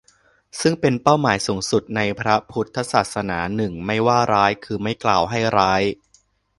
ซึ่งเป็นเป้าหมายสูงสุดในพระพุทธศาสนา หนึ่ง ไม่ว่าร้าย คือ ไม่กล่าวให้ร้าย